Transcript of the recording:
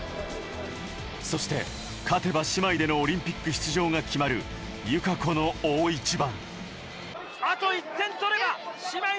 そして勝てば姉妹でのオリンピック出場が決まる友香子の大一番。